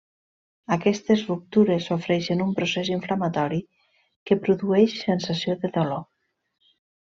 Aquestes ruptures sofreixen un procés inflamatori que produeix sensació de dolor.